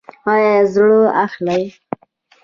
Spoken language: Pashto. ایا زړه اخلئ؟